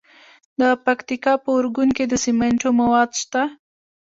د پکتیکا په ارګون کې د سمنټو مواد شته.